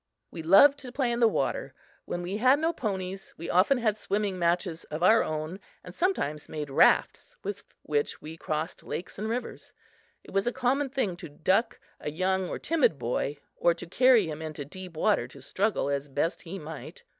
We loved to play in the water. When we had no ponies, we often had swimming matches of our own and sometimes made rafts with which we crossed lakes and rivers. It was a common thing to "duck" a young or timid boy or to carry him into deep water to struggle as best he might.